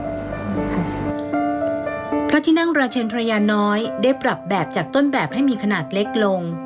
พระที่นั่งราชินทรยาน้อยได้ปรับแบบจากต้นแบบให้มีขนาดเล็กลง